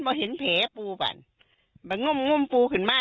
ชอบอยู่วัดป่า